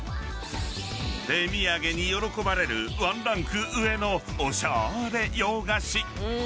［手土産に喜ばれるワンランク上のおしゃーれ洋菓子］